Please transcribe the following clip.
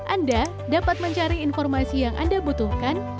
anda dapat mencari informasi yang lebih mudah